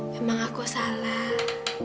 memang aku salah